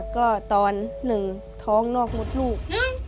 ก็ตอนหนึ่งท้องนอกมดลูก